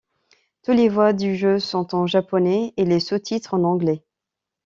Toutes les voix du jeu sont en japonais, et les sous-titres en anglais.